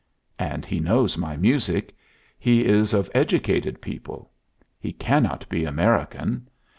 And he knows my music. He is of educated people. He cannot be American.